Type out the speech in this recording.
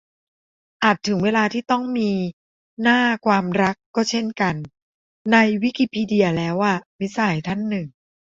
"อาจถึงเวลาที่ต้องมี หน้า ความรักก็เช่นกัน ในวิกิพีเดียแล้วอะ" - มิตรสหายท่านหนึ่ง